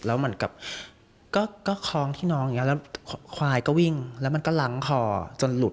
แล้วเหมือนกับก็คล้องที่น้องอย่างนี้แล้วควายก็วิ่งแล้วมันก็ล้างคอจนหลุด